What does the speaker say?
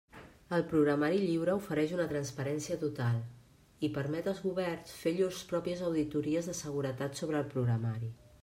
El programari lliure ofereix una transparència total, i permet als governs fer llurs pròpies auditories de seguretat sobre el programari.